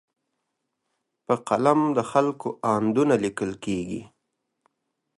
په قلم د خلکو اندونه لیکل کېږي.